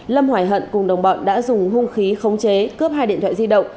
lâm hoài hận cùng đồng bọn đã dùng hung khí khống chế cướp hai điện thoại di động